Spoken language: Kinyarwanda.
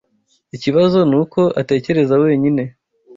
Ikibazo nuko atekereza wenyine.